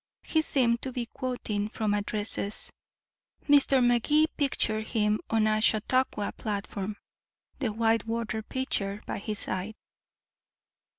He seemed to be quoting from addresses; Mr. Magee pictured him on a Chautauqua platform, the white water pitcher by his side.